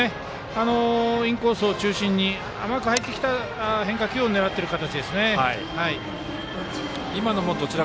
インコースを中心に甘く入ってきた変化球を狙っている形ですね。